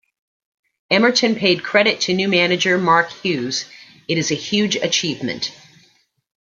Emerton paid credit to new manager, Mark Hughes, It is a huge achievement.